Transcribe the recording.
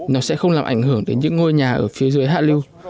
nó sẽ không làm ảnh hưởng đến những ngôi nhà ở phía dưới hạ lưu